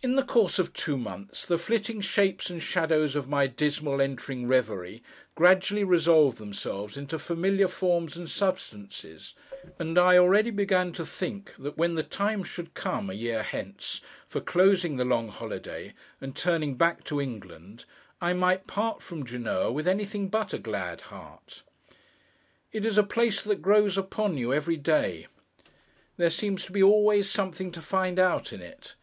In the course of two months, the flitting shapes and shadows of my dismal entering reverie gradually resolved themselves into familiar forms and substances; and I already began to think that when the time should come, a year hence, for closing the long holiday and turning back to England, I might part from Genoa with anything but a glad heart. It is a place that 'grows upon you' every day. There seems to be always something to find out in it.